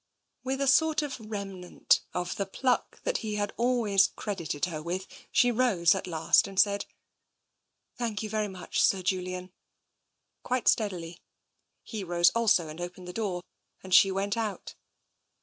With a sort of remnant of the pluck that he had always credited her with, she rose at last and said, " Thank you very much. Sir Julian," quite steadily. He rose also and opened the door, and she went out.